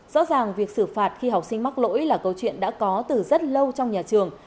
rõ ràng việc xử phạt khi học sinh mắc lỗi là câu chuyện đã có từ rất lâu trong nhà trường